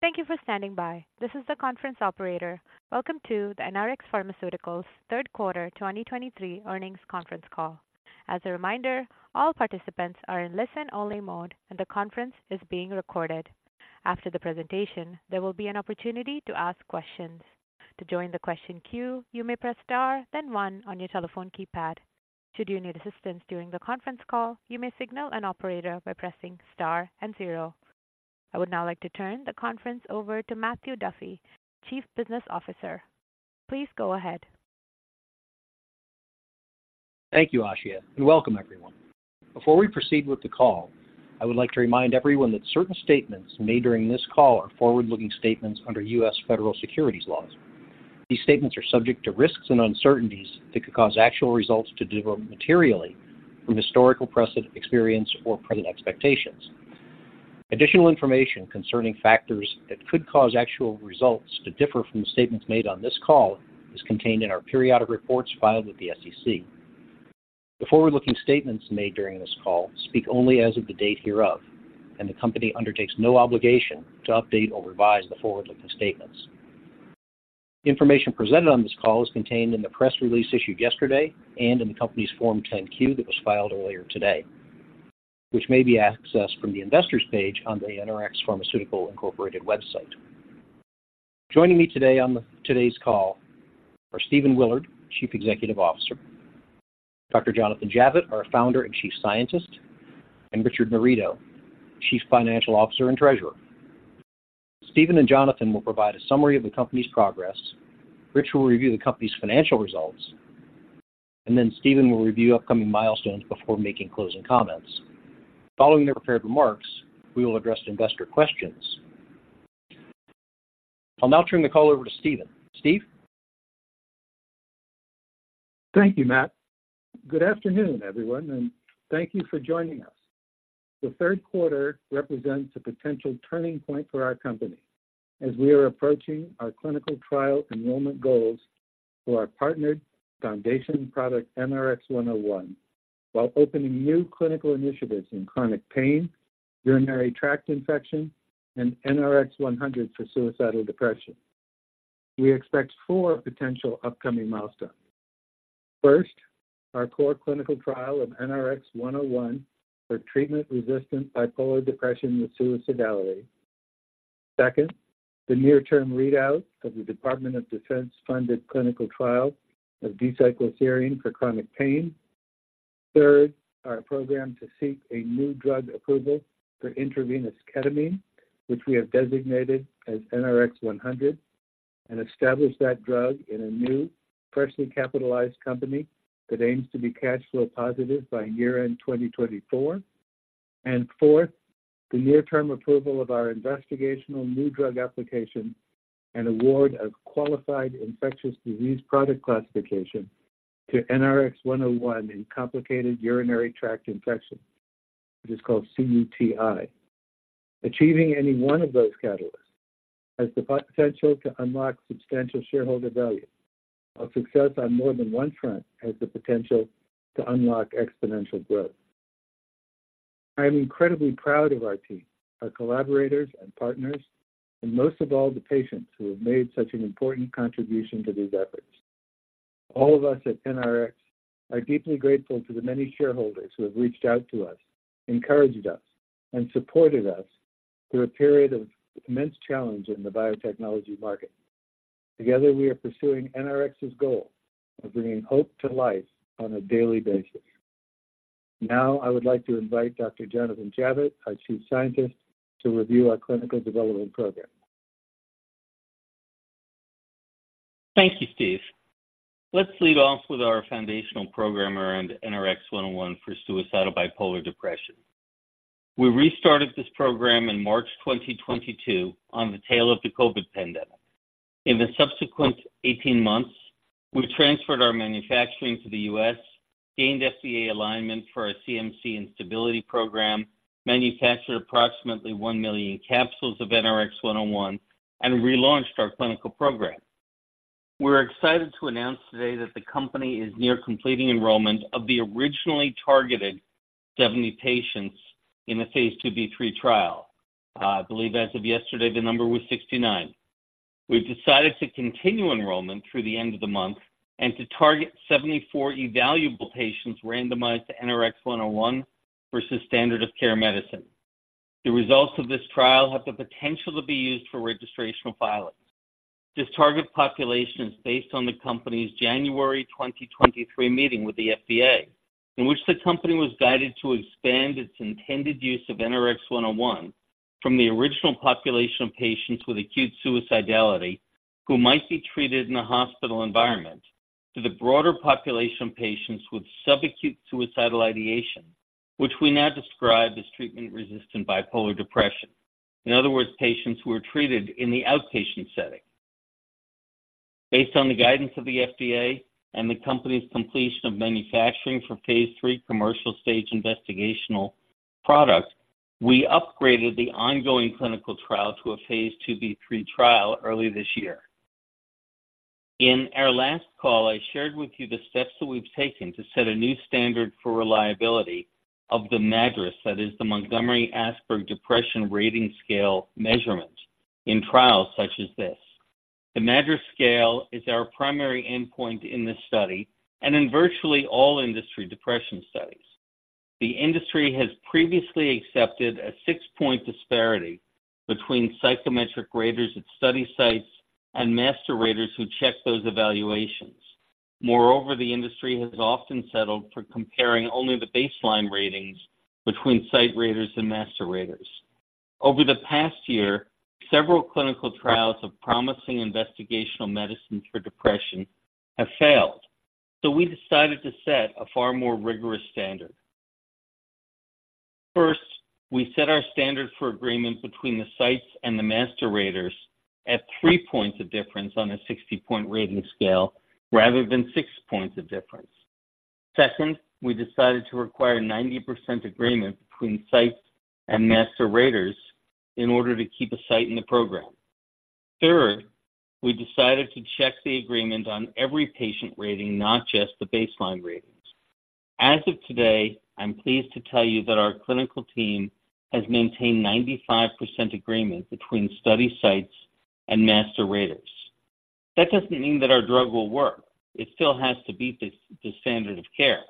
Thank you for standing by. This is the conference operator. Welcome to the NRx Pharmaceuticals Third Quarter 2023 Earnings Conference Call. As a reminder, all participants are in listen-only mode, and the conference is being recorded. After the presentation, there will be an opportunity to ask questions. To join the question queue, you may press Star, then one on your telephone keypad. Should you need assistance during the conference call, you may signal an operator by pressing Star and zero. I would now like to turn the conference over to Matthew Duffy, Chief Business Officer. Please go ahead. Thank you, Ashia, and welcome, everyone. Before we proceed with the call, I would like to remind everyone that certain statements made during this call are forward-looking statements under U.S. Federal Securities laws. These statements are subject to risks and uncertainties that could cause actual results to differ materially from historical precedent, experience, or current expectations. Additional information concerning factors that could cause actual results to differ from the statements made on this call is contained in our periodic reports filed with the SEC. The forward-looking statements made during this call speak only as of the date hereof, and the company undertakes no obligation to update or revise the forward-looking statements. Information presented on this call is contained in the press release issued yesterday and in the company's Form 10-Q that was filed earlier today, which may be accessed from the investors page on the NRx Pharmaceuticals, Inc. website. Joining me today on today's call are Stephen Willard, Chief Executive Officer; Dr. Jonathan Javitt, our Founder and Chief Scientist; and Richard Narido, Chief Financial Officer and Treasurer. Stephen and Jonathan will provide a summary of the company's progress. Rich will review the company's financial results, and then Stephen will review upcoming milestones before making closing comments. Following their prepared remarks, we will address investor questions. I'll now turn the call over to Stephen. Steve? Thank you, Matt. Good afternoon, everyone, and thank you for joining us. The third quarter represents a potential turning point for our company as we are approaching our clinical trial enrollment goals for our partnered foundation product, NRX-101, while opening new clinical initiatives in chronic pain, urinary tract infection, and NRX-100 for suicidal depression. We expect four potential upcoming milestones. First, our core clinical trial of NRX-101 for treatment-resistant bipolar depression with suicidality. Second, the near-term readout of the Department of Defense-funded clinical trial of D-cycloserine for chronic pain. Third, our program to seek a new drug approval for intravenous ketamine, which we have designated as NRX-100, and establish that drug in a new, freshly capitalized company that aims to be cash flow positive by year-end 2024. And fourth, the near-term approval of our investigational new drug application and award of Qualified Infectious Disease Product classification to NRX-101 in complicated urinary tract infection, which is called cUTI. Achieving any one of those catalysts has the potential to unlock substantial shareholder value, while success on more than one front has the potential to unlock exponential growth. I am incredibly proud of our team, our collaborators and partners, and most of all, the patients who have made such an important contribution to these efforts. All of us at NRx are deeply grateful to the many shareholders who have reached out to us, encouraged us, and supported us through a period of immense challenge in the biotechnology market. Together, we are pursuing NRx's goal of bringing hope to life on a daily basis. Now, I would like to invite Dr. Jonathan Javitt, our Chief Scientist, to review our clinical development program. Thank you, Steve. Let's lead off with our foundational program around NRX-101 for suicidal bipolar depression. We restarted this program in March 2022 on the tail of the COVID pandemic. In the subsequent 18 months, we transferred our manufacturing to the U.S., gained FDA alignment for our CMC and stability program, manufactured approximately 1 million capsules of NRX-101, and relaunched our clinical program. We're excited to announce today that the company is near completing enrollment of the originally targeted 70 patients in the Phase 2b/3 trial. I believe as of yesterday, the number was 69. We've decided to continue enrollment through the end of the month and to target 74 evaluable patients randomized to NRX-101 versus standard of care medicine. The results of this trial have the potential to be used for registrational filings. This target population is based on the company's January 2023 meeting with the FDA, in which the company was guided to expand its intended use of NRX-101 from the original population of patients with acute suicidality who might be treated in a hospital environment, to the broader population of patients with subacute suicidal ideation, which we now describe as treatment-resistant bipolar depression. In other words, patients who are treated in the outpatient setting. Based on the guidance of the FDA and the company's completion of manufacturing for phase III commercial stage investigational product, we upgraded the ongoing clinical trial to a phase II/III trial early this year. In our last call, I shared with you the steps that we've taken to set a new standard for reliability of the MADRS. That is the Montgomery-Åsberg Depression Rating Scale measurement in trials such as this. The MADRS scale is our primary endpoint in this study and in virtually all industry depression studies. The industry has previously accepted a six-point disparity between psychometric raters at study sites and master raters who check those evaluations. Moreover, the industry has often settled for comparing only the baseline ratings between site raters and master raters. Over the past year, several clinical trials of promising investigational medicines for depression have failed, so we decided to set a far more rigorous standard. First, we set our standard for agreement between the sites and the master raters at three points of difference on a 60-point rating scale rather than 6 points of difference. Second, we decided to require 90% agreement between sites and master raters in order to keep a site in the program. Third, we decided to check the agreement on every patient rating, not just the baseline ratings. As of today, I'm pleased to tell you that our clinical team has maintained 95% agreement between study sites and master raters. That doesn't mean that our drug will work. It still has to beat the standard of care.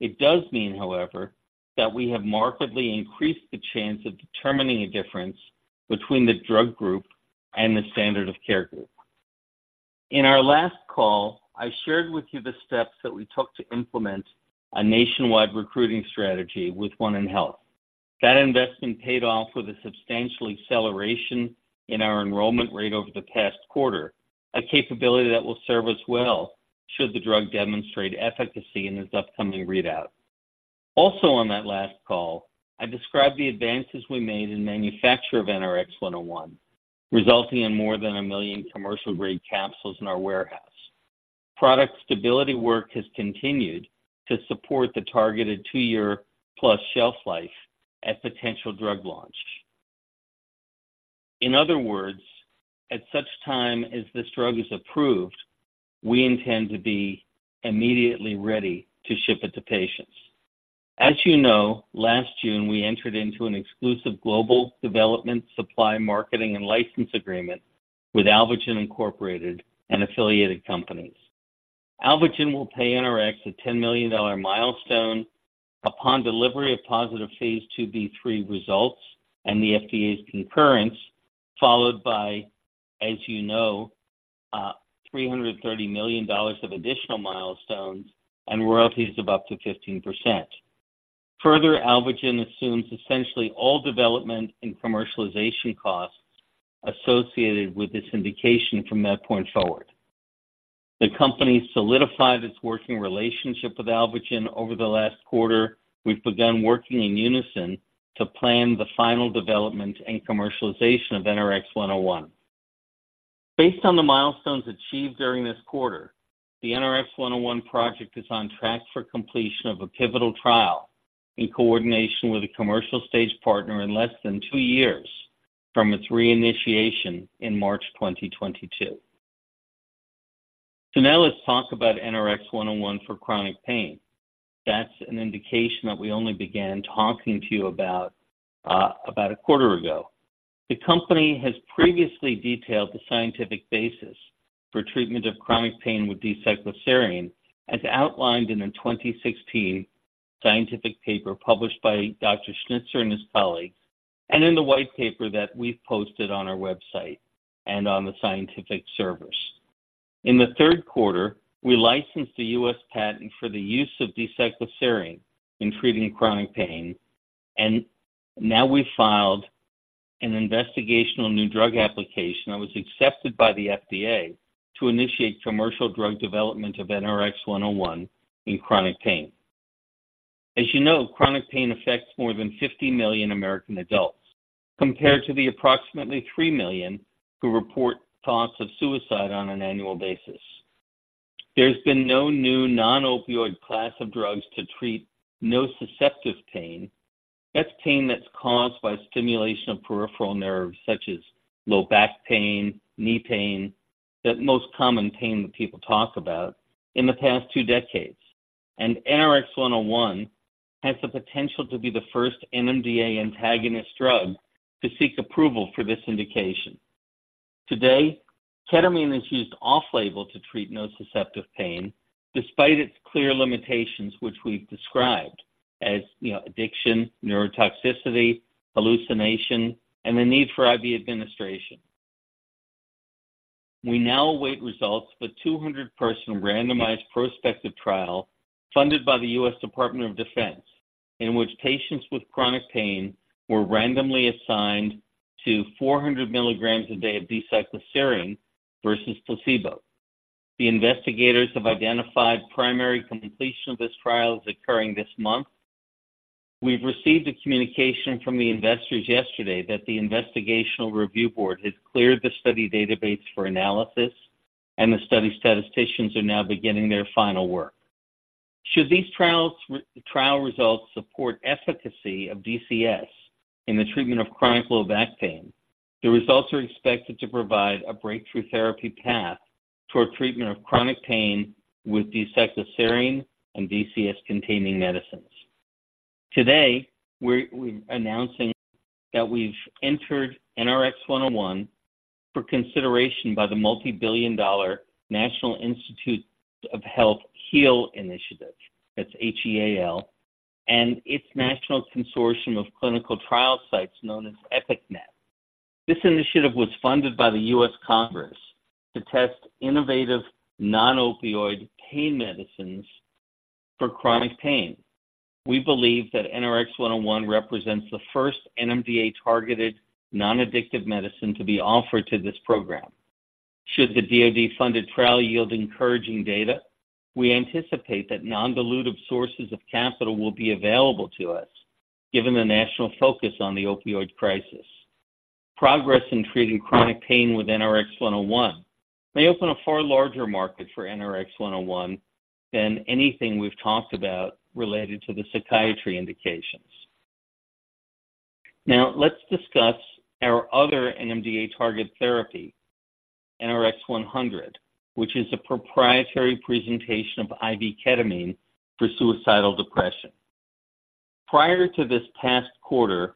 It does mean, however, that we have markedly increased the chance of determining a difference between the drug group and the standard of care group. In our last call, I shared with you the steps that we took to implement a nationwide recruiting strategy with 1nHealth. That investment paid off with a substantial acceleration in our enrollment rate over the past quarter, a capability that will serve us well should the drug demonstrate efficacy in this upcoming readout. Also, on that last call, I described the advances we made in manufacture of NRX-101, resulting in more than 1 million commercial-grade capsules in our warehouse. Product stability work has continued to support the targeted two-year+ shelf life at potential drug launch. In other words, at such time as this drug is approved, we intend to be immediately ready to ship it to patients. As you know, last June, we entered into an exclusive global development, supply, marketing, and license agreement with Alvogen Incorporated and affiliated companies. Alvogen will pay NRx a $10 million milestone upon delivery of positive phase II-B/III results and the FDA's concurrence, followed by, as you know, $330 million of additional milestones and royalties of up to 15%. Further, Alvogen assumes essentially all development and commercialization costs associated with this indication from that point forward. The company solidified its working relationship with Alvogen over the last quarter. We've begun working in unison to plan the final development and commercialization of NRX-101. Based on the milestones achieved during this quarter, the NRX-101 project is on track for completion of a pivotal trial in coordination with a commercial stage partner in less than two years from its reinitiation in March 2022. So now let's talk about NRX-101 for chronic pain. That's an indication that we only began talking to you about about a quarter ago. The company has previously detailed the scientific basis for treatment of chronic pain with D-cycloserine, as outlined in a 2016 scientific paper published by Dr. Schnitzer and his colleagues, and in the white paper that we've posted on our website and on the scientific servers. In the third quarter, we licensed the U.S. patent for the use of D-cycloserine in treating chronic pain, and now we've filed an investigational new drug application that was accepted by the FDA to initiate commercial drug development of NRX-101 in chronic pain. As you know, chronic pain affects more than 50 million American adults, compared to the approximately 3 million who report thoughts of suicide on an annual basis. There's been no new non-opioid class of drugs to treat nociceptive pain. That's pain that's caused by stimulation of peripheral nerves, such as low back pain, knee pain, the most common pain that people talk about in the past two decades. NRX-101 has the potential to be the first NMDA antagonist drug to seek approval for this indication. Today, ketamine is used off-label to treat nociceptive pain, despite its clear limitations, which we've described as, you know, addiction, neurotoxicity, hallucination, and the need for IV administration. We now await results of a 200-person randomized prospective trial funded by the U.S. Department of Defense, in which patients with chronic pain were randomly assigned to 400 milligrams a day of D-cycloserine versus placebo. The investigators have identified primary completion of this trial as occurring this month. We've received a communication from the investigators yesterday that the Institutional Review Board has cleared the study database for analysis, and the study statisticians are now beginning their final work. Should these trial results support efficacy of DCS in the treatment of chronic low back pain, the results are expected to provide a breakthrough therapy path toward treatment of chronic pain with D-cycloserine and DCS-containing medicines. Today, we're announcing that we've entered NRX-101 for consideration by the multibillion-dollar National Institutes of Health HEAL Initiative. That's H-E-A-L, and its national consortium of clinical trial sites known as Epic-Net. This initiative was funded by the U.S. Congress to test innovative non-opioid pain medicines for chronic pain. We believe that NRX-101 represents the first NMDA-targeted non-addictive medicine to be offered to this program. Should the DOD-funded trial yield encouraging data, we anticipate that non-dilutive sources of capital will be available to us, given the national focus on the opioid crisis. Progress in treating chronic pain with NRX-101 may open a far larger market for NRX-101 than anything we've talked about related to the psychiatry indications. Now, let's discuss our other NMDA-targeted therapy, NRX-100, which is a proprietary presentation of IV ketamine for suicidal depression. Prior to this past quarter,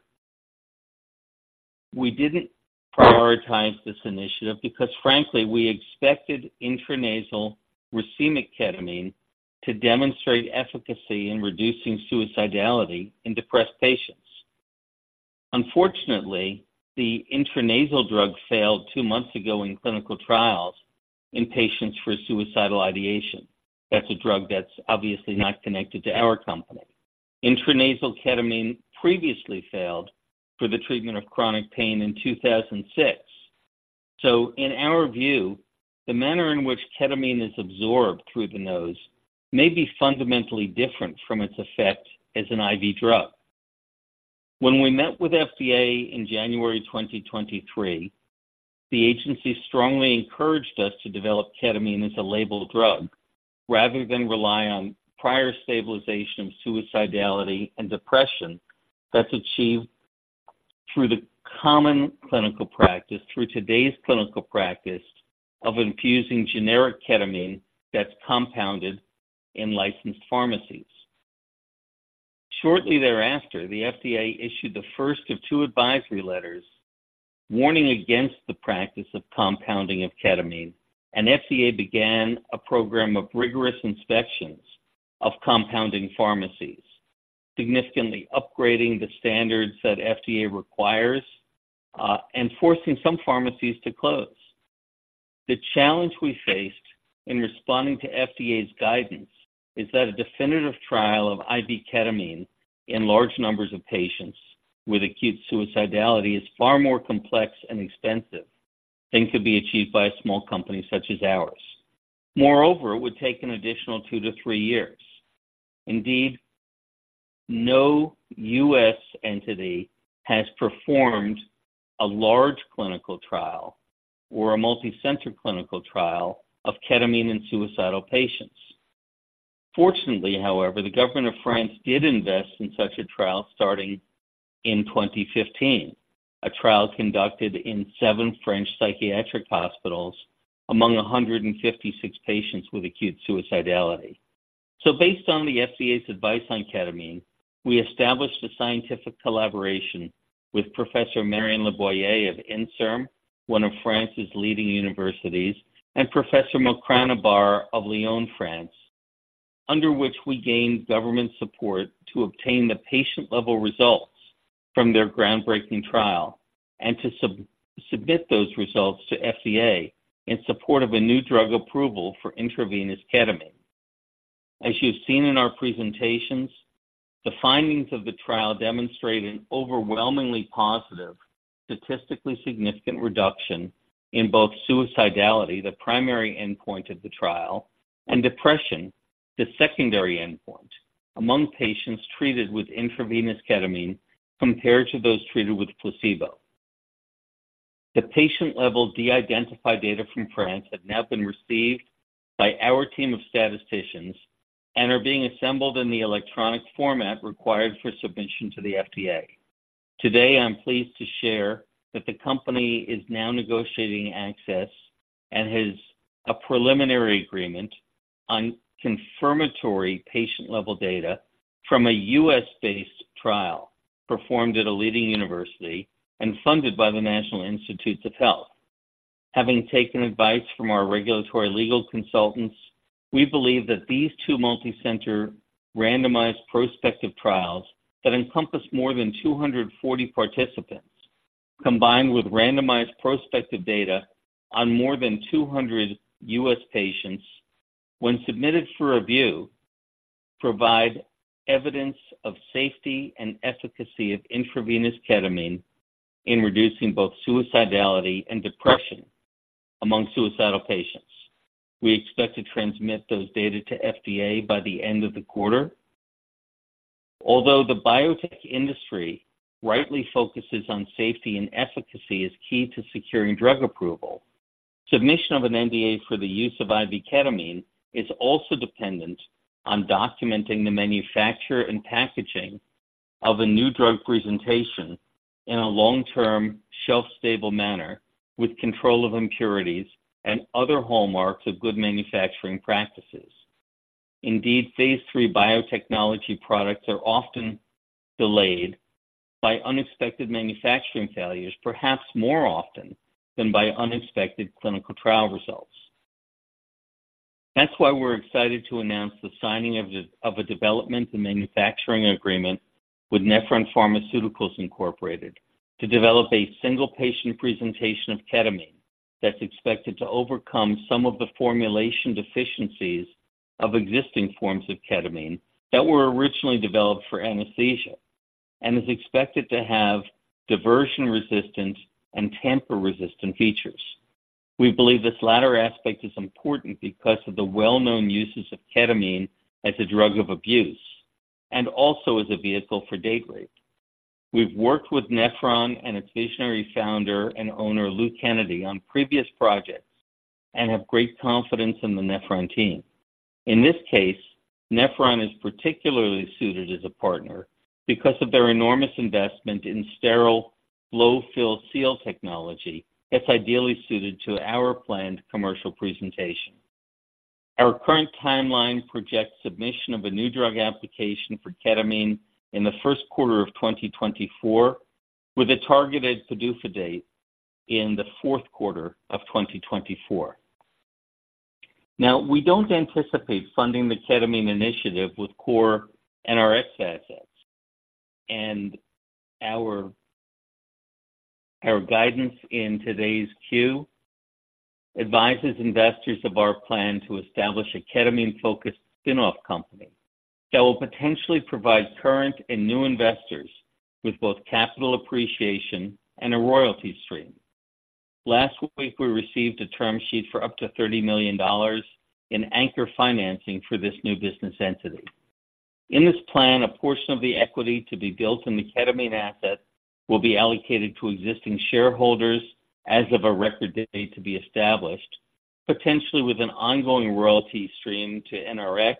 we didn't prioritize this initiative because, frankly, we expected intranasal racemic ketamine to demonstrate efficacy in reducing suicidality in depressed patients. Unfortunately, the intranasal drug failed two months ago in clinical trials in patients for suicidal ideation. That's a drug that's obviously not connected to our company. Intranasal ketamine previously failed for the treatment of chronic pain in 2006. So in our view, the manner in which ketamine is absorbed through the nose may be fundamentally different from its effect as an IV drug. When we met with FDA in January 2023, the agency strongly encouraged us to develop ketamine as a labeled drug, rather than rely on prior stabilization of suicidality and depression that's achieved through the common clinical practice, through today's clinical practice, of infusing generic ketamine that's compounded in licensed pharmacies. Shortly thereafter, the FDA issued the first of two advisory letters warning against the practice of compounding of ketamine, and FDA began a program of rigorous inspections of compounding pharmacies, significantly upgrading the standards that FDA requires, and forcing some pharmacies to close. The challenge we faced in responding to FDA's guidance is that a definitive trial of IV ketamine in large numbers of patients with acute suicidality is far more complex and expensive than could be achieved by a small company such as ours. Moreover, it would take an additional 2-3 years. Indeed, no U.S. entity has performed a large clinical trial or a multicenter clinical trial of ketamine in suicidal patients. Fortunately, however, the government of France did invest in such a trial starting in 2015, a trial conducted in seven French psychiatric hospitals among 156 patients with acute suicidality. So based on the FDA's advice on ketamine, we established a scientific collaboration with Professor Marion Leboyer of INSERM, one of France's leading universities, and Professor Mokrane Abbar of Lyon, France, under which we gained government support to obtain the patient-level results from their groundbreaking trial and to submit those results to FDA in support of a new drug approval for intravenous ketamine. As you've seen in our presentations, the findings of the trial demonstrate an overwhelmingly positive, statistically significant reduction in both suicidality, the primary endpoint of the trial, and depression, the secondary endpoint, among patients treated with intravenous ketamine compared to those treated with placebo. The patient-level de-identified data from France have now been received by our team of statisticians and are being assembled in the electronic format required for submission to the FDA. Today, I'm pleased to share that the company is now negotiating access and has a preliminary agreement on confirmatory patient-level data from a U.S.-based trial performed at a leading university and funded by the National Institutes of Health. Having taken advice from our regulatory legal consultants, we believe that these two multicenter randomized prospective trials that encompass more than 240 participants, combined with randomized prospective data on more than 200 U.S. patients, when submitted for review, provide evidence of safety and efficacy of intravenous ketamine in reducing both suicidality and depression among suicidal patients. We expect to transmit those data to FDA by the end of the quarter. Although the biotech industry rightly focuses on safety and efficacy as key to securing drug approval, submission of an NDA for the use of IV ketamine is also dependent on documenting the manufacture and packaging of a new drug presentation in a long-term, shelf-stable manner, with control of impurities and other hallmarks of good manufacturing practices. Indeed, phase 3 biotechnology products are often delayed by unexpected manufacturing failures, perhaps more often than by unexpected clinical trial results. That's why we're excited to announce the signing of a development and manufacturing agreement with Nephron Pharmaceuticals Corporation to develop a single patient presentation of ketamine that's expected to overcome some of the formulation deficiencies of existing forms of ketamine that were originally developed for anesthesia, and is expected to have diversion-resistant and tamper-resistant features. We believe this latter aspect is important because of the well-known uses of ketamine as a drug of abuse and also as a vehicle for date rape. We've worked with Nephron and its visionary founder and owner, Lou Kennedy, on previous projects and have great confidence in the Nephron team. In this case, Nephron is particularly suited as a partner because of their enormous investment in sterile Blow fill seal technology that's ideally suited to our planned commercial presentation. Our current timeline projects submission of a new drug application for ketamine in the first quarter of 2024, with a targeted PDUFA date in the fourth quarter of 2024. Now, we don't anticipate funding the ketamine initiative with core NRX assets, and our guidance in today's Q advises investors of our plan to establish a ketamine-focused spin-off company that will potentially provide current and new investors with both capital appreciation and a royalty stream. Last week, we received a term sheet for up to $30 million in anchor financing for this new business entity. In this plan, a portion of the equity to be built in the ketamine asset will be allocated to existing shareholders as of a record date to be established, potentially with an ongoing royalty stream to NRX,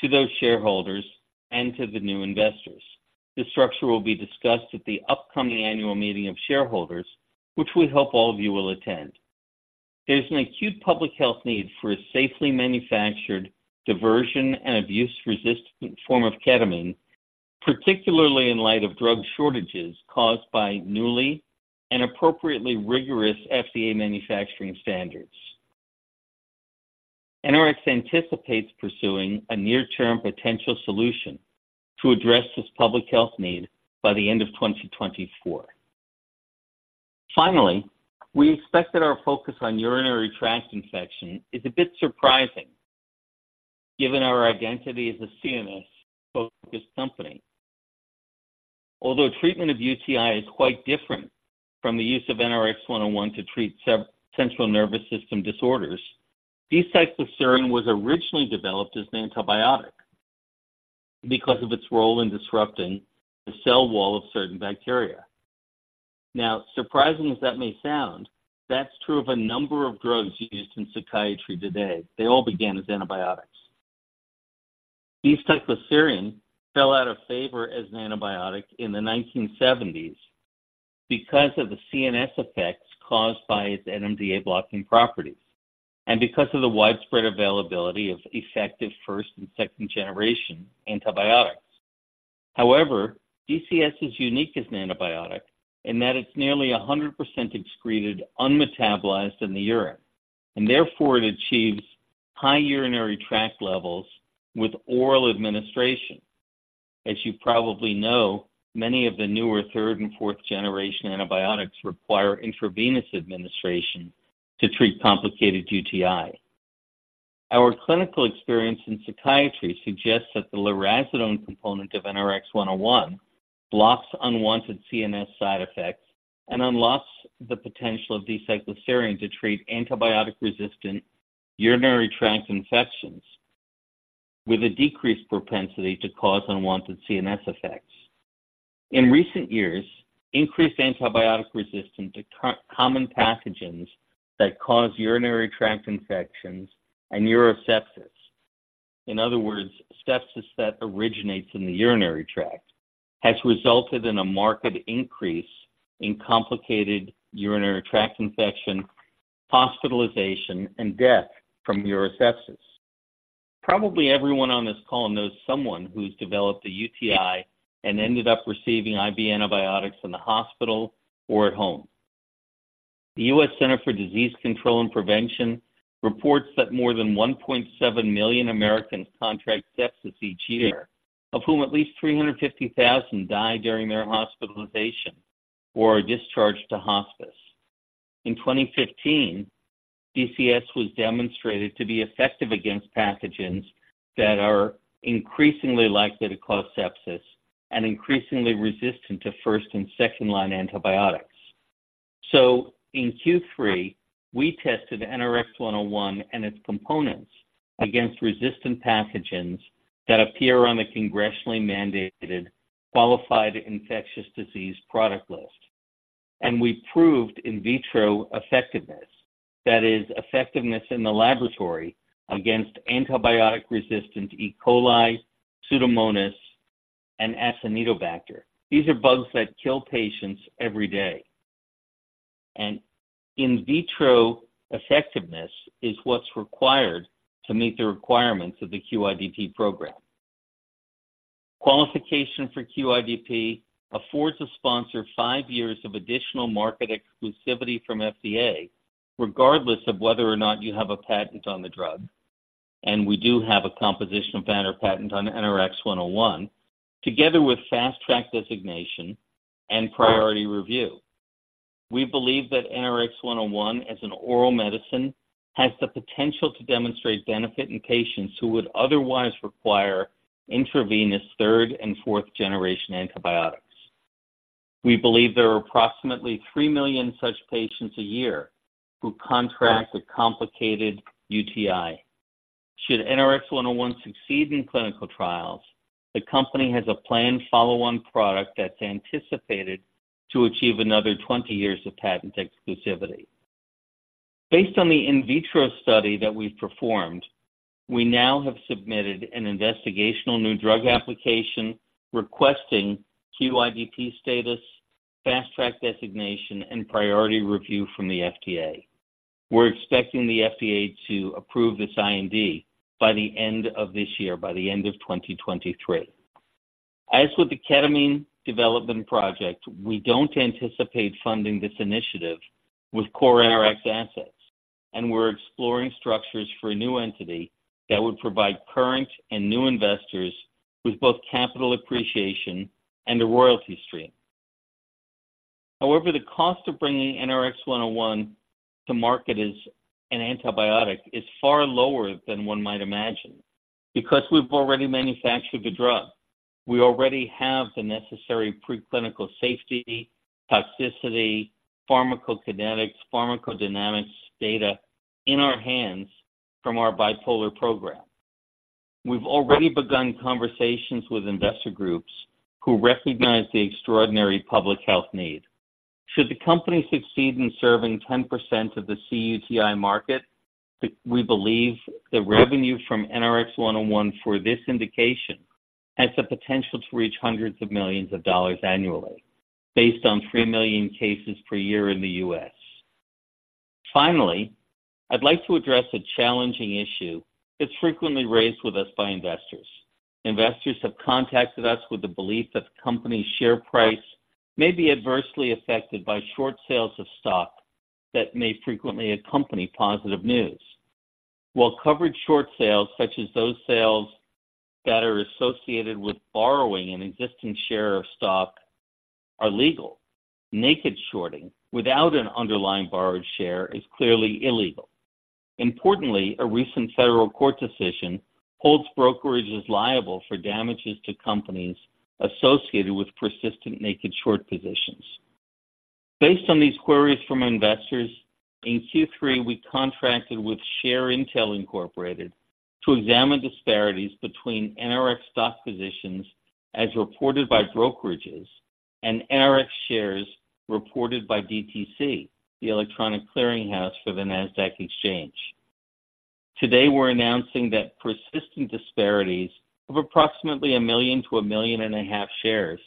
to those shareholders, and to the new investors. This structure will be discussed at the upcoming annual meeting of shareholders, which we hope all of you will attend. There's an acute public health need for a safely manufactured diversion and abuse-resistant form of ketamine, particularly in light of drug shortages caused by newly and appropriately rigorous FDA manufacturing standards. NRX anticipates pursuing a near-term potential solution to address this public health need by the end of 2024. Finally, we expect that our focus on urinary tract infection is a bit surprising, given our identity as a CNS-focused company. Although treatment of UTI is quite different from the use of NRX-101 to treat central nervous system disorders, D-cycloserine was originally developed as an antibiotic because of its role in disrupting the cell wall of certain bacteria. Now, surprising as that may sound, that's true of a number of drugs used in psychiatry today. They all began as antibiotics. D-cycloserine fell out of favor as an antibiotic in the 1970s because of the CNS effects caused by its NMDA blocking properties and because of the widespread availability of effective first and second-generation antibiotics. However, DCS is unique as an antibiotic in that it's nearly 100% excreted unmetabolized in the urine, and therefore it achieves high urinary tract levels with oral administration. As you probably know, many of the newer third and fourth-generation antibiotics require intravenous administration to treat complicated UTI. Our clinical experience in psychiatry suggests that the lurasidone component of NRX-101 blocks unwanted CNS side effects and unlocks the potential of D-cycloserine to treat antibiotic-resistant urinary tract infections with a decreased propensity to cause unwanted CNS effects. In recent years, increased antibiotic resistance to common pathogens that cause urinary tract infections and urosepsis, in other words, sepsis that originates in the urinary tract, has resulted in a marked increase in complicated urinary tract infection, hospitalization, and death from urosepsis. Probably everyone on this call knows someone who's developed a UTI and ended up receiving IV antibiotics in the hospital or at home. The Centers for Disease Control and Prevention reports that more than 1.7 million Americans contract sepsis each year, of whom at least 350,000 die during their hospitalization or are discharged to hospice. In 2015, DCS was demonstrated to be effective against pathogens that are increasingly likely to cause sepsis and increasingly resistant to first and second-line antibiotics. In Q3, we tested NRX-101 and its components against resistant pathogens that appear on the congressionally mandated Qualified Infectious Disease Product list. We proved in vitro effectiveness, that is, effectiveness in the laboratory against antibiotic-resistant E. coli, Pseudomonas, and Acinetobacter. These are bugs that kill patients every day, and in vitro effectiveness is what's required to meet the requirements of the QIDP program. Qualification for QIDP affords a sponsor five years of additional market exclusivity from FDA, regardless of whether or not you have a patent on the drug, and we do have a composition of matter patent on NRX-101, together with Fast Track designation and priority review. We believe that NRX-101, as an oral medicine, has the potential to demonstrate benefit in patients who would otherwise require intravenous third and fourth generation antibiotics. We believe there are approximately 3 million such patients a year who contract a complicated UTI. Should NRX-101 succeed in clinical trials, the company has a planned follow-on product that's anticipated to achieve another 20 years of patent exclusivity. Based on the in vitro study that we've performed, we now have submitted an investigational new drug application requesting QIDP status, Fast Track designation, and priority review from the FDA. We're expecting the FDA to approve this IND by the end of this year, by the end of 2023. As with the ketamine development project, we don't anticipate funding this initiative with core NRX assets, and we're exploring structures for a new entity that would provide current and new investors with both capital appreciation and a royalty stream. However, the cost of bringing NRX-101 to market as an antibiotic is far lower than one might imagine. Because we've already manufactured the drug, we already have the necessary preclinical safety, toxicity, pharmacokinetics, pharmacodynamics data in our hands from our bipolar program. We've already begun conversations with investor groups who recognize the extraordinary public health need. Should the company succeed in serving 10% of the cUTI market, we believe the revenue from NRX-101 for this indication has the potential to reach hundreds of millions dollars annually, based on 3 million cases per year in the U.S. Finally, I'd like to address a challenging issue that's frequently raised with us by investors. Investors have contacted us with the belief that the company's share price may be adversely affected by short sales of stock that may frequently accompany positive news. While covered short sales, such as those sales that are associated with borrowing an existing share of stock, are legal, naked shorting without an underlying borrowed share is clearly illegal. Importantly, a recent federal court decision holds brokerages liable for damages to companies associated with persistent naked short positions. Based on these queries from investors, in Q3, we contracted with ShareIntel, Inc. to examine disparities between NRX stock positions as reported by brokerages and NRX shares reported by DTC, the electronic clearinghouse for the Nasdaq Exchange. Today, we're announcing that persistent disparities of approximately 1 million-1.5 million shares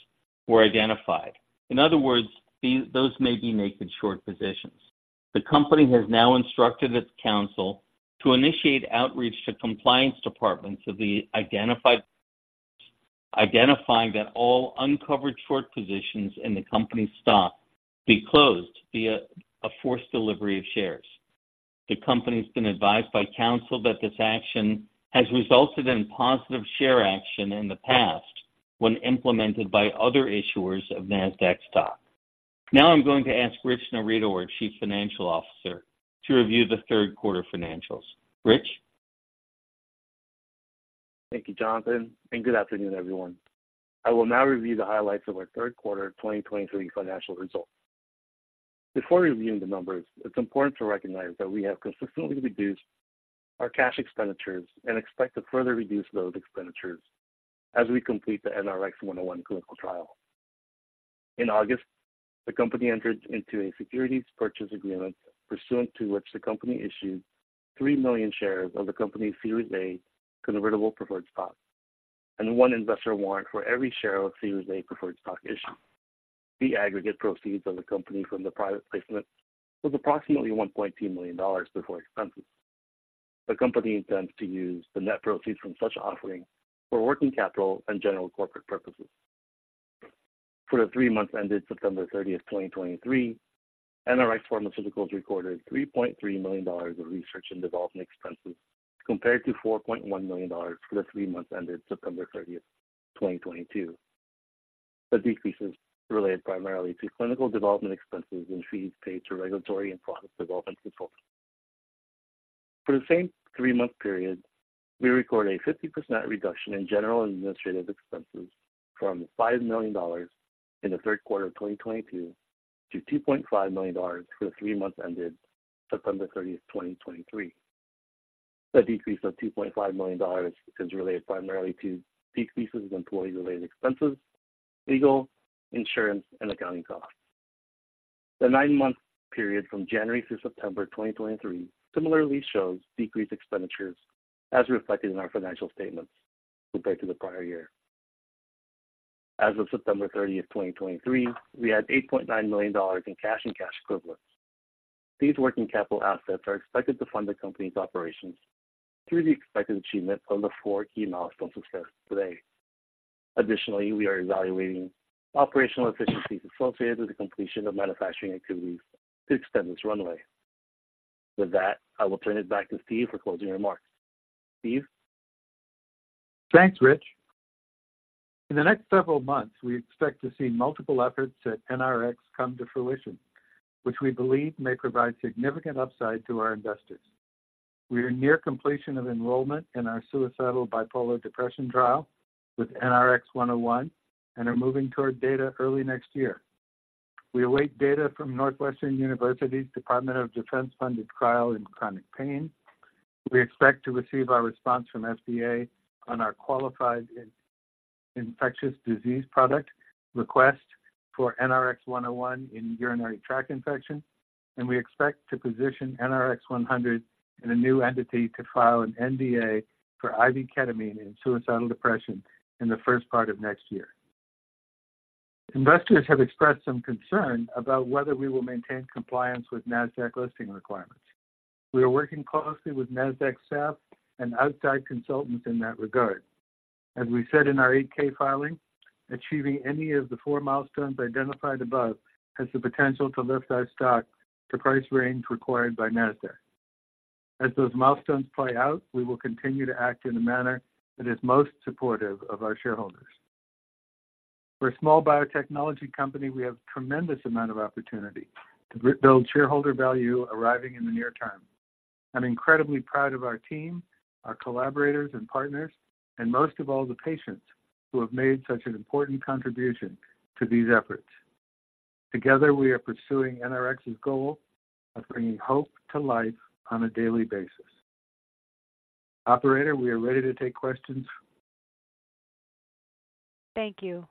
were identified. In other words, these, those may be naked short positions. The company has now instructed its counsel to initiate outreach to compliance departments of the identified, identifying that all uncovered short positions in the company's stock be closed via a forced delivery of shares. The company's been advised by counsel that this action has resulted in positive share action in the past when implemented by other issuers of Nasdaq stock. Now I'm going to ask Rich Narido, our Chief Financial Officer, to review the third quarter financials. Rich? Thank you, Jonathan, and good afternoon, everyone. I will now review the highlights of our third quarter 2023 financial results. Before reviewing the numbers, it's important to recognize that we have consistently reduced our cash expenditures and expect to further reduce those expenditures as we complete the NRX-101 clinical trial. In August, the company entered into a securities purchase agreement, pursuant to which the company issued 3 million shares of the company's Series A convertible preferred stock and 1 investor warrant for every share of Series A preferred stock issued. The aggregate proceeds of the company from the private placement was approximately $1.2 million before expenses. The company intends to use the net proceeds from such offering for working capital and general corporate purposes. For the three months ended September 30, 2023, NRx Pharmaceuticals recorded $3.3 million of research and development expenses, compared to $4.1 million for the three months ended September 30, 2022. The decrease is related primarily to clinical development expenses and fees paid to regulatory and product development consultants. For the same three-month period, we recorded a 50% reduction in general and administrative expenses from $5 million in the third quarter of 2022 to $2.5 million for the three months ended September 30, 2023. The decrease of $2.5 million is related primarily to decreases in employee-related expenses, legal, insurance, and accounting costs. The nine-month period from January through September 2023 similarly shows decreased expenditures as reflected in our financial statements compared to the prior year. As of September 30, 2023, we had $8.9 million in cash and cash equivalents. These working capital assets are expected to fund the company's operations through the expected achievement of the four key milestone success today. Additionally, we are evaluating operational efficiencies associated with the completion of manufacturing activities to extend this runway. With that, I will turn it back to Steve for closing remarks. Steve? Thanks, Rich. In the next several months, we expect to see multiple efforts at NRx come to fruition, which we believe may provide significant upside to our investors. We are near completion of enrollment in our suicidal bipolar depression trial with NRX-101 and are moving toward data early next year. We await data from Northwestern University's Department of Defense-funded trial in chronic pain. We expect to receive our response from FDA on our qualified infectious disease product request for NRX-101 in urinary tract infection, and we expect to position NRX-100 in a new entity to file an NDA for IV ketamine in suicidal depression in the first part of next year. Investors have expressed some concern about whether we will maintain compliance with Nasdaq listing requirements. We are working closely with Nasdaq staff and outside consultants in that regard. As we said in our 8-K filing, achieving any of the four milestones identified above has the potential to lift our stock to price range required by Nasdaq. As those milestones play out, we will continue to act in a manner that is most supportive of our shareholders. For a small biotechnology company, we have tremendous amount of opportunity to build shareholder value arriving in the near term. I'm incredibly proud of our team, our collaborators and partners, and most of all, the patients who have made such an important contribution to these efforts. Together, we are pursuing NRx's goal of bringing hope to life on a daily basis. Operator, we are ready to take questions. Thank you.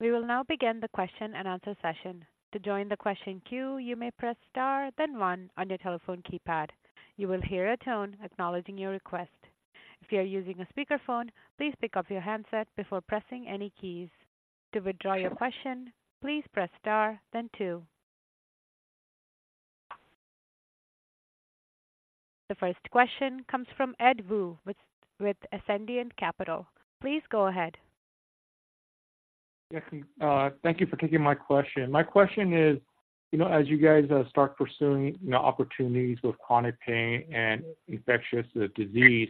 We will now begin the question-and-answer session. To join the question queue, you may press star, then one on your telephone keypad. You will hear a tone acknowledging your request. If you are using a speakerphone, please pick up your handset before pressing any keys. To withdraw your question, please press star then two. The first question comes from Edward Woo with Ascendiant Capital. Please go ahead. Yes, thank you for taking my question. My question is, you know, as you guys start pursuing, you know, opportunities with chronic pain and infectious disease,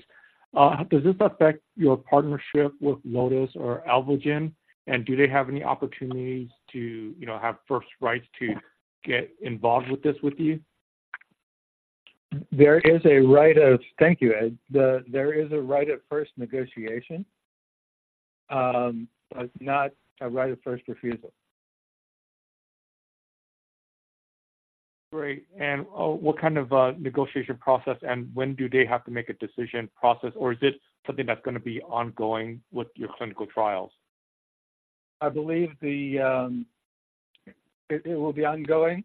does this affect your partnership with Lotus or Alvogen, and do they have any opportunities to, you know, have first rights to get involved with this with you? There is a right of... Thank you, Ed. There is a right of first negotiation, but not a right of first refusal. Great. What kind of negotiation process and when do they have to make a decision process, or is this something that's going to be ongoing with your clinical trials? I believe it will be ongoing,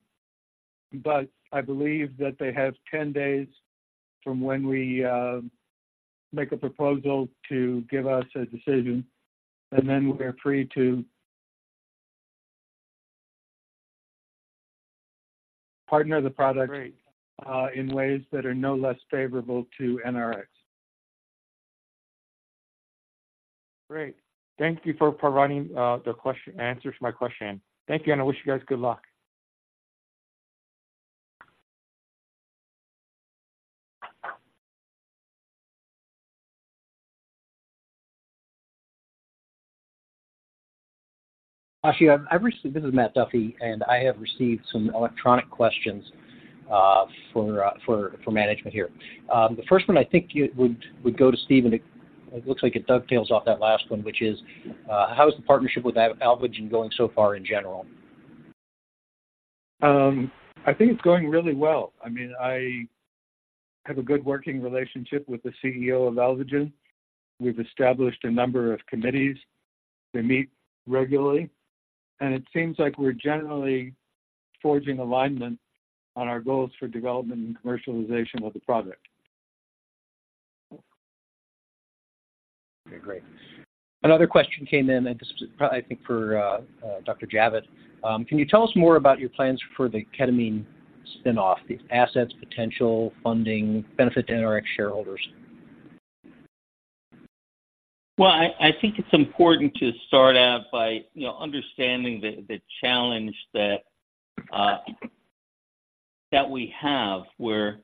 but I believe that they have 10 days from when we make a proposal to give us a decision, and then we're free to partner the product- Great in ways that are no less favorable to NRX. Great. Thank you for providing, the question, answers to my question. Thank you, and I wish you guys good luck. Actually, I've received—this is Matt Duffy, and I have received some electronic questions for management here. The first one I think it would go to Steven. It looks like it dovetails off that last one, which is, how is the partnership with Alvogen going so far in general? I think it's going really well. I mean, I have a good working relationship with the CEO of Alvogen. We've established a number of committees. We meet regularly, and it seems like we're generally forging alignment on our goals for development and commercialization of the product. Okay, great. Another question came in, and this is probably, I think, for Dr. Javitt. Can you tell us more about your plans for the ketamine spin-off, the assets, potential funding, benefit to NRx shareholders? Well, I think it's important to start out by, you know, understanding the challenge that we have, where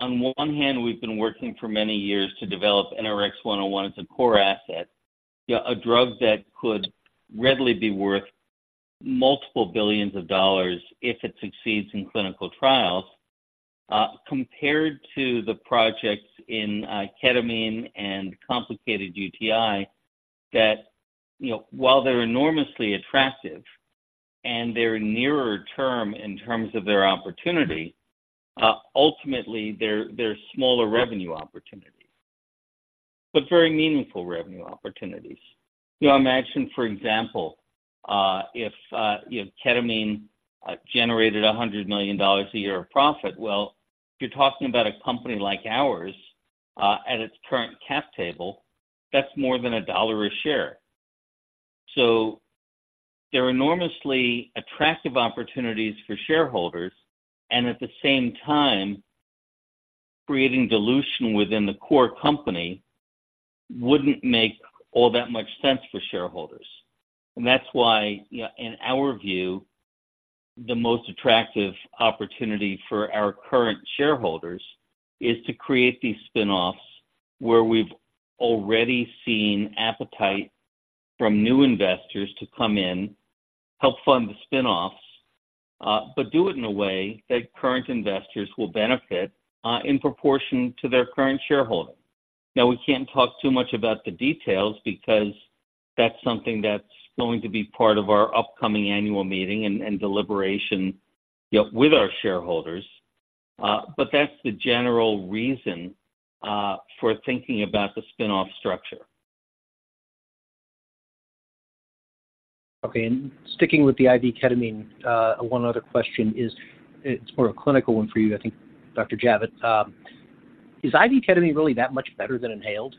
on one hand, we've been working for many years to develop NRX-101. It's a core asset, you know, a drug that could readily be worth ...multiple billions dollars if it succeeds in clinical trials, compared to the projects in, ketamine and complicated UTI, that, you know, while they're enormously attractive and they're nearer term in terms of their opportunity, ultimately, they're, they're smaller revenue opportunities, but very meaningful revenue opportunities. You know, imagine, for example, if, you know, ketamine, generated $100 million a year of profit, well, you're talking about a company like ours, at its current cap table, that's more than $1 a share. So they're enormously attractive opportunities for shareholders, and at the same time, creating dilution within the core company wouldn't make all that much sense for shareholders. That's why, you know, in our view, the most attractive opportunity for our current shareholders is to create these spin-offs where we've already seen appetite from new investors to come in, help fund the spin-offs, but do it in a way that current investors will benefit, in proportion to their current shareholding. Now, we can't talk too much about the details because that's something that's going to be part of our upcoming annual meeting and deliberation, yep, with our shareholders. But that's the general reason for thinking about the spin-off structure. Okay, and sticking with the IV ketamine, one other question is, it's more a clinical one for you, I think, Dr. Javitt. Is IV ketamine really that much better than inhaled?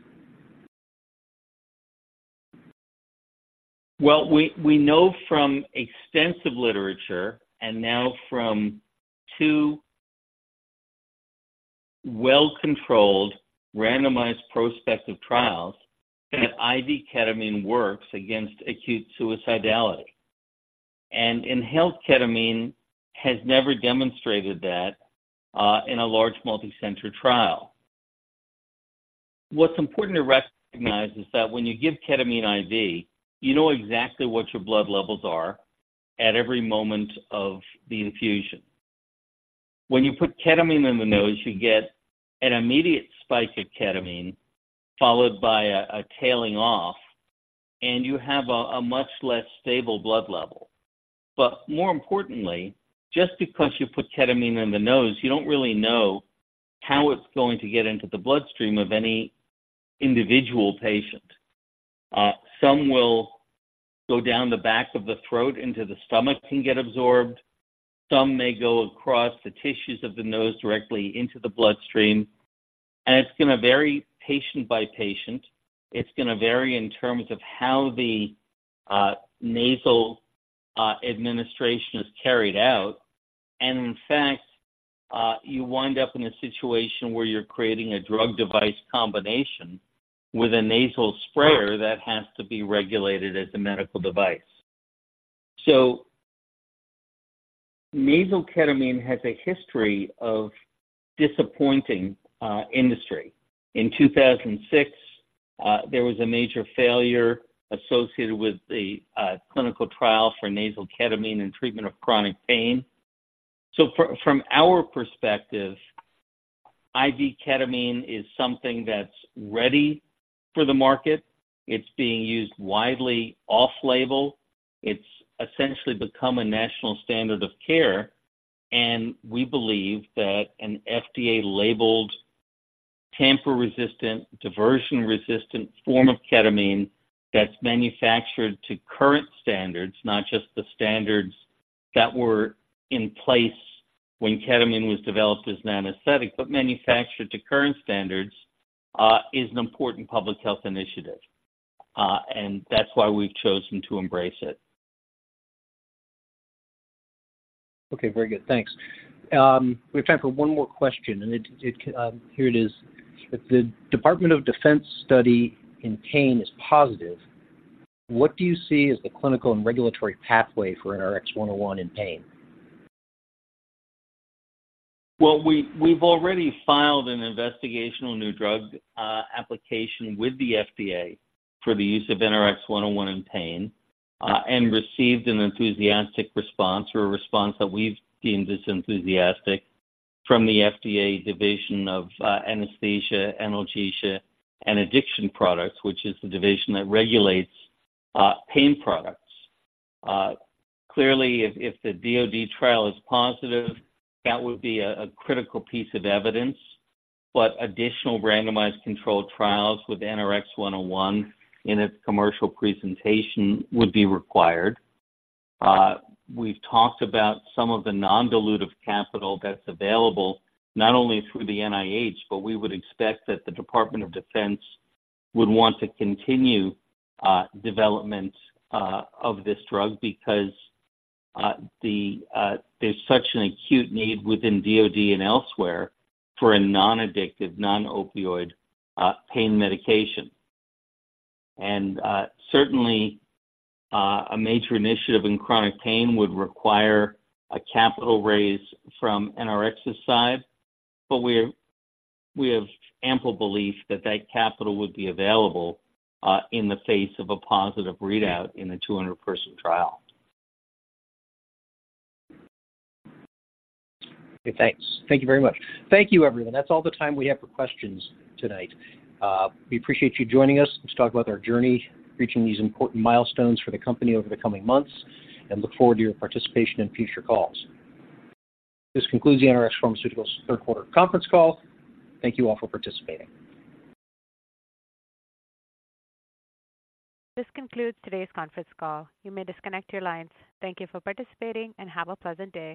Well, we know from extensive literature and now from two well-controlled, randomized prospective trials, that IV ketamine works against acute suicidality, and inhaled ketamine has never demonstrated that in a large multi-center trial. What's important to recognize is that when you give ketamine IV, you know exactly what your blood levels are at every moment of the infusion. When you put ketamine in the nose, you get an immediate spike of ketamine, followed by a tailing off, and you have a much less stable blood level. But more importantly, just because you put ketamine in the nose, you don't really know how it's going to get into the bloodstream of any individual patient. Some will go down the back of the throat into the stomach and get absorbed. Some may go across the tissues of the nose directly into the bloodstream, and it's going to vary patient by patient. It's going to vary in terms of how the nasal administration is carried out. And in fact, you wind up in a situation where you're creating a drug device combination with a nasal sprayer that has to be regulated as a medical device. So, nasal ketamine has a history of disappointing industry. In 2006, there was a major failure associated with a clinical trial for nasal ketamine in treatment of chronic pain. So from our perspective, IV ketamine is something that's ready for the market. It's being used widely off-label. It's essentially become a national standard of care, and we believe that an FDA-labeled, tamper-resistant, diversion-resistant form of ketamine that's manufactured to current standards, not just the standards that were in place when ketamine was developed as an anesthetic, but manufactured to current standards, is an important public health initiative. That's why we've chosen to embrace it. Okay, very good. Thanks. We have time for one more question, and here it is: If the Department of Defense study in pain is positive, what do you see as the clinical and regulatory pathway for NRX-101 in pain? Well, we've already filed an investigational new drug application with the FDA for the use of NRX-101 in pain and received an enthusiastic response or a response that we've deemed as enthusiastic from the FDA Division of Anesthesia, Analgesia, and Addiction Products, which is the division that regulates pain products. Clearly, if the DOD trial is positive, that would be a critical piece of evidence, but additional randomized controlled trials with NRX-101 in its commercial presentation would be required. We've talked about some of the non-dilutive capital that's available, not only through the NIH, but we would expect that the Department of Defense would want to continue development of this drug because there's such an acute need within DOD and elsewhere for a non-addictive, non-opioid pain medication. Certainly, a major initiative in chronic pain would require a capital raise from NRX's side, but we have ample belief that that capital would be available in the face of a positive readout in the 200-person trial. Okay, thanks. Thank you very much. Thank you, everyone. That's all the time we have for questions tonight. We appreciate you joining us. Let's talk about our journey, reaching these important milestones for the company over the coming months, and look forward to your participation in future calls. This concludes the NRx Pharmaceuticals third quarter conference call. Thank you all for participating. This concludes today's conference call. You may disconnect your lines. Thank you for participating, and have a pleasant day.